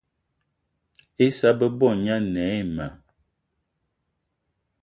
Issa bebo gne ane ayi ma